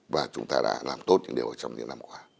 và chúng ta đã làm tốt những điều trong những năm qua